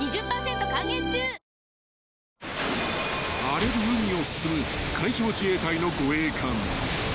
［荒れる海を進む海上自衛隊の護衛艦］